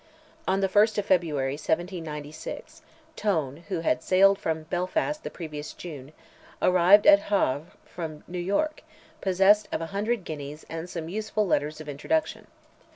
On the 1st of February, 1796, Tone, who had sailed from Belfast the previous June, arrived at Havre from New York, possessed of a hundred guineas and some useful letters of introduction.